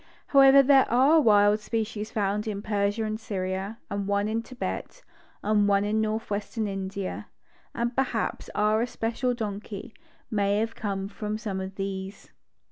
However, there are wild species found in Persia and Syria, and one in Thibet, and one in northwestern India, and perhaps our especial donkey may have come from some of these.